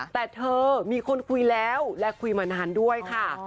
แต่เธอมีคนคุยแล้วและคุยมานานด้วยค่ะ